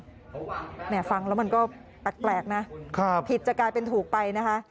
เนี่ยฟังแล้วมันก็แปลกนะผิดจะกลายเป็นถูกไปนะคะ